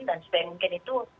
dan sebaik mungkin itu